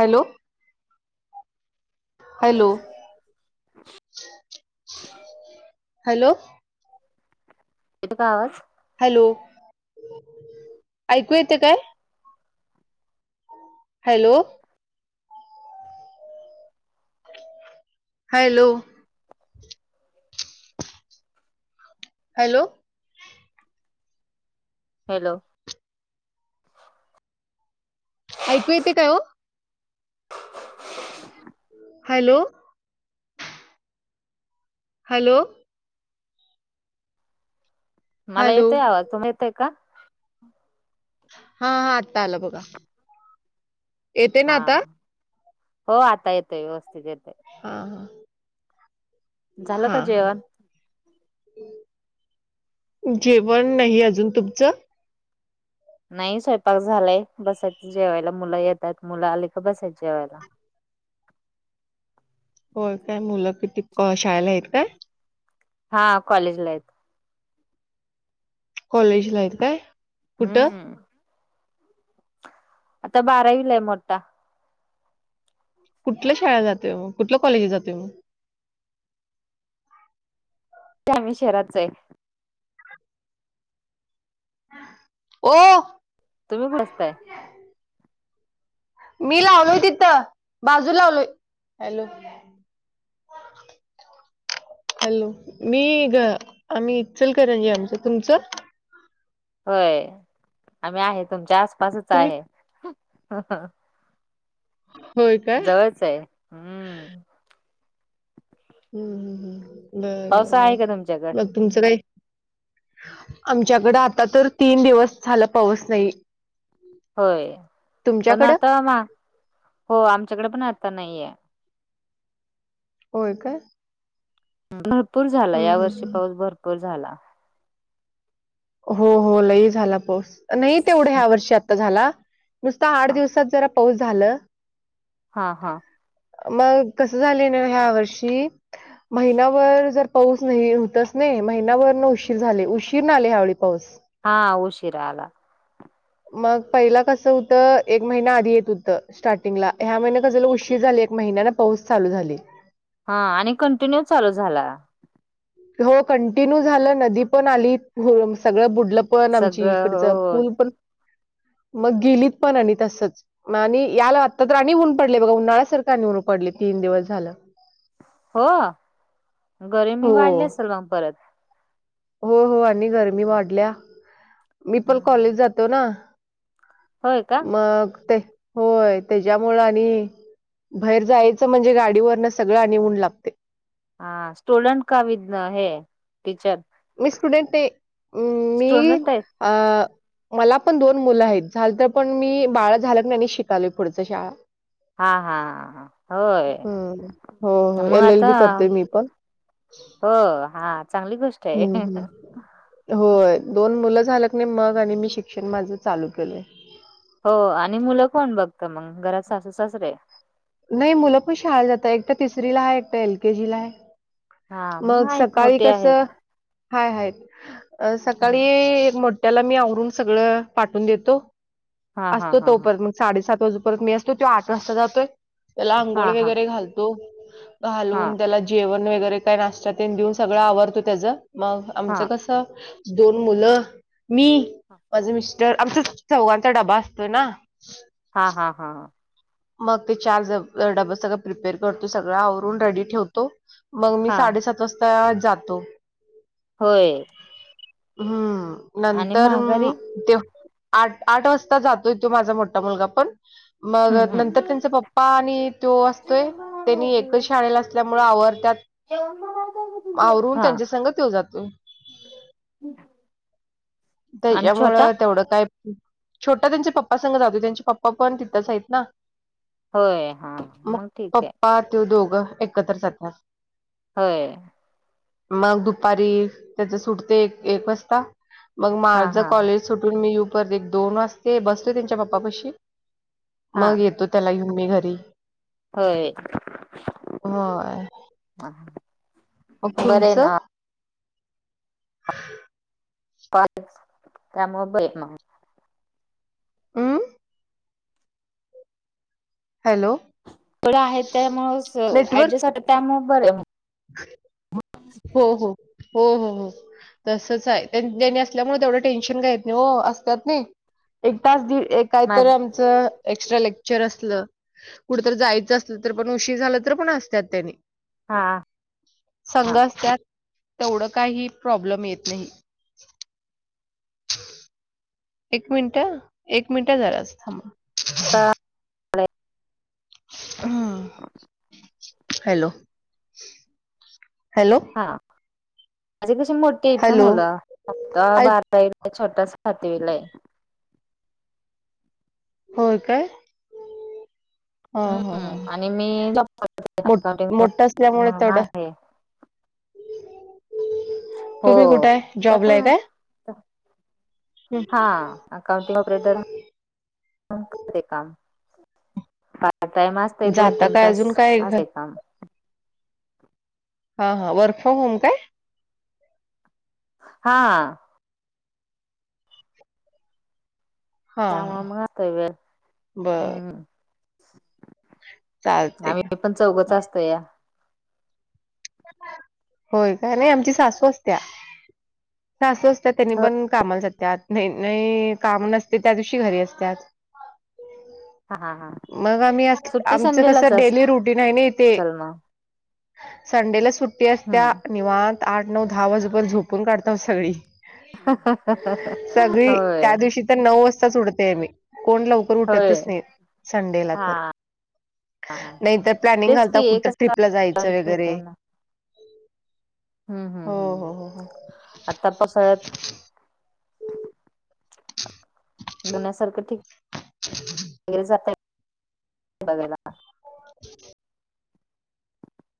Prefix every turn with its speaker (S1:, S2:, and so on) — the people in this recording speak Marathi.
S1: हॅलो. Hello, hello.
S2: येतो का आवाज?
S1: हॅलो ऐकू येतय काय? हॅलो! हॅलो! हॅलो!
S2: हॅलो!
S1: ऐकू येतंय काय ओ? हॅलो! हॅलो
S2: मला
S1: हॅलो
S2: येतोय आवाज तुला येतोय का?
S1: हा हा आता आलं बघा. येते ना
S2: हा
S1: आता
S2: हो आता येतोय व्यवस्थित येतोय.
S1: हा हा.
S2: झालं
S1: हा.
S2: का जेवण
S1: जेवण नाही अजून तुमचं?
S2: नाही स्वयंपाक झालाय बसायचं जेवायला मुलं येतात मुल आली की बसायचं जेवायला.
S1: होय काय मुलं किती क शाळेला आहेत काय?
S2: हा कॉलेज ला हायत.
S1: कॉलेजला हायत काय कुठ?
S2: हम्म आता बारावीला आहे मोठा.
S1: कुठल्या शाळेला जात्या ओ कुठल्या कॉलेजला जातोय ओ?
S2: [unintelligible] म्ही शहराच आहे
S1: ओ
S2: तुम्ही [unintelligible] असताय?
S1: मी लावलोय तिथं बाजूला लावलोय हॅलो हॅलो मी ग आम्ही इचलकरंजी आमचं तुमचं?
S2: होय आम्ही आहे तुमच्या आसपासच
S1: तुम्ही
S2: आहे.
S1: होय काय?
S2: च आहे. हम्म.
S1: हम्म हम्म हम्म बरं
S2: पावसा
S1: बरं
S2: आहे का
S1: बरं
S2: तुमच्याकड
S1: बघ तुमचं काय आमच्याकडे आता तर तीन दिवस झालं पाऊस नाही.
S2: होय पण
S1: तुमच्याकडं?
S2: आता मा हो आमच्याकडे पण आता नाहीेये.
S1: होय का?
S2: भरपूर झाला या
S1: हम्म
S2: वर्षी
S1: हम्म.
S2: पाऊस भरपूर झाला.
S1: हो हो लई झाला पाऊस नाही तेवढं ह्या वर्षी आता झाला नुसतं आठ
S2: हा
S1: दिवसात जरा पाऊस झालं.
S2: हा हा.
S1: मग कसं झालंय ना यावर्षी महिनावर जर पाऊस नाही होतच नाही महिनाभर न उशीर झाले उशीर नाही आले ह्यावेळी पाऊस.
S2: हा उशीरा आला.
S1: मग पहिला कसं होतं एक महिना आधी येत होतं स्टार्टिंगला ह्या महिने कसं झालं उशीर झाले एक महिन्या ना पाऊस चालू झाली.
S2: हा आणि कंटिन्यू चालू झालेला.
S1: हो कंटिन्यू झालं नदी पण आली सगळं बुडलं पण आमची
S2: सगळं
S1: इकडच
S2: हो
S1: पूल पण मग गेलीत पण आणि तसच. मग आणि यायला आता तर ऊन पडलंय आणि उन्हाळ्यासारखं आणि ऊन पडले तीन दिवस झालं [unintelligible]
S2: हो गर्मी
S1: हो
S2: वाढली असेल मग परत.
S1: हो हो आणि गरमी वाढल्या मी पल
S2: हम्म.
S1: कॉलेज जातो ना.
S2: होय का.
S1: मग ते होय त्याच्यामुळे आणि बाहेर जायचं म्हणजे गाडी वरनं सगळं आणि ऊन लागतय.
S2: हा स्टूडंट का वि है टीचर
S1: मी स्टुडन्ट आहे.
S2: स्टुडन्ट हाय.
S1: आ. मला पण दोन मुलं आहेत, झालं तर पण मी बाळ झाल्यात नी शिकालोय पुढचं शाळा.
S2: हा हा हा होय,
S1: हम्म. हो, हो.
S2: मग
S1: एल-एल-बी
S2: आता
S1: करते मी पण.
S2: हो हा चांगली गोष्ट आहे
S1: हम्म हम् होय दोन मुलं झालंका नाही मग आणि मी शिक्षण माझं चालू केलंय.
S2: हो आणि मुलं कोण बघत मग, घरात सासू सासरे?
S1: नाही मुलंपण शाळेला जात, एकटा तिसरीला हाय एकटा एलकेजीला हाय.
S2: हा
S1: मग
S2: आहेत
S1: सकाळी
S2: मोठे आहेत
S1: कसं हाय हाय,
S2: हम्म.
S1: सकाळी एक मोठ त्याला मी आवरून सगळं पाठवून देतो,
S2: हा हा
S1: असतो
S2: हा
S1: तोपण मग. साडेसात वाजेपर्यंत मी असतो, तो आठ वाजता जातोय. त्याला अंघोळ
S2: हा हा
S1: वगैरे घालतो
S2: हा हा
S1: घालून त्याला जेवण वगैरे काय नाश्ता तेन देऊन सगळं आवरतो त्याचं मग
S2: हा
S1: आमचं कसं दोन मुलं मी, माझं मिस्टर आमचा चौघांचा डबा असतोय ना.
S2: हा हा हा हा.
S1: मग ते चार डब सगळं प्रिपेअर करतो, सगळं आवरून रेडी ठेवतो. मग मी
S2: हा
S1: साडेसात वाजता जातो.
S2: होय.
S1: हम्म
S2: आणि
S1: नंतर
S2: माघारी
S1: म त्यो आठ आठ वाजता जातोय त्यो माझा मोठा मुलगापण. मग
S2: हम्म
S1: नंतर
S2: हम्म.
S1: त्यांचं पप्पा आणि त्यो असतोय,
S2: जेवण बनवलंय
S1: त्यांनी एकच
S2: तुझं.
S1: शाळेला असल्यामुळं आवरत्यात.
S2: जेवण बनवलंय का तुझं?
S1: आवरून
S2: हा.
S1: त्यांच्यासंग त्यो जातोय.
S2: आणि छोटा
S1: त्याच्यामुळं तेवढं काय छोटा त्याच्या पप्पासंग जातो, त्यांचे पप्पापण तिथेच आहेत ना.
S2: होय हा.
S1: मग
S2: ठीक आहे
S1: पप्पा त्यो दोघं एकत्र जात्यात.
S2: होय.
S1: मग दुपारी त्याच सुटते एक एक वाजता. मग
S2: हा
S1: माझं
S2: हा हा
S1: कॉलेज सुटून मी येऊपर्यंत दोन वाजतंय, बसतोय त्यांच्या पप्पापशी.
S2: हा.
S1: मग येतो त्याला घेऊन मी घरी.
S2: होय
S1: होय मग
S2: बर
S1: तुमचं
S2: हायना.
S1: [unintelligible]
S2: पाठ त्यामुळे बई मग
S1: हम्म हॅलो.
S2: तेवढं आहेत त्या मग
S1: नेटवर्क
S2: ऍडजस्ट होतं त्यामुळं बर.
S1: हो हो, हो हो हो. तसंच हाय, तेनी असल्यामुळं तेवढं टेन्शन काही येत नाही हो असतात नाही. एक तास दि एक
S2: माझ
S1: काहीतरी आमचं एक्स्ट्रा लेक्चर असलं, कुठतर जायचं असलं तर पण उशीर झालं तरीपण असत्यात त्यांनी.
S2: हा.
S1: संघ
S2: हा
S1: असत्यात, तेवढं काही प्रॉब्लेम येत नाही. हो [inaudible] एक मिनिट हा, एक मिनिटं जरासं थांबा.
S2: [inaudible]
S1: हम्म, हॅलो हॅलो.
S2: हा म्हणजे कशी मोठी आहेत ना
S1: हॅलो
S2: मुलं पक्का
S1: ऐक
S2: बार [unintelligible] छोटा सातवीला हाय.
S1: होय काय. ह ह, ह
S2: हम्म आणि मी जॉब करते
S1: ह मो
S2: अकाउंटिंग
S1: मोठ असल्यामुळे
S2: म्हणून
S1: तेवढं.
S2: आहे
S1: [inaudible]
S2: हो
S1: तुम्ही कुठे आहे
S2: त्यात
S1: जॉबला आहे काय हं.
S2: हा. अकाउंटिंग ऑपरेटर म्हणून करते काम, पार्ट टाइम अस दोन
S1: जाता
S2: तीन
S1: काय
S2: तास
S1: अजून काय घर
S2: असते काम.
S1: हा हा, वर्क फ्रॉम होम काय?
S2: हा.
S1: हा
S2: त्यामुळं
S1: हा
S2: मग असं व्हय
S1: बर
S2: हम्म.
S1: चालते की.
S2: आम्ही पण चौघच
S1: हां.
S2: असतोया.
S1: होय काय, नाही आमची सासू असत्या. स असं असतात त्यांनी
S2: हो
S1: पण कामाला जातात, नाहीत नाही काम नसते त्या दिवशी घरी असतात.
S2: हा हा हा.
S1: मग आम्ही अस
S2: सुट्टी
S1: आमच
S2: संडेलाच
S1: कसं डेली रुटीन आहे ना इथे.
S2: असेल मग
S1: संडेला सुट्टी असत्या.
S2: हम्म
S1: निवांत आठ नऊ दहा, वाजूपर झोपून काढता सगळी.
S2: [unintelligible]
S1: सगळी त्या
S2: होय.
S1: दिवशी तर नऊ वाजताच उडतेय मी, कोण लवकर
S2: होय
S1: उठतच नाही संडेला तर.
S2: हा
S1: नाहीतर प्लॅनिंग
S2: तेच की
S1: घालता, कुठ
S2: एकच
S1: ट्रिपला
S2: तास
S1: जायचं वगैरे?
S2: भेटतोय ना हम्म हम्म
S1: हो, हो,
S2: हम्म
S1: हो, हो.
S2: आता कस आहेत? लण्यासारखं ठीक, मिरजात आय बघेना का.
S1: [inaudible]